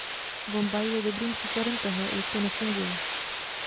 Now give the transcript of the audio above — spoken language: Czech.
Bombaj je dobrým příkladem toho, jak to nefunguje.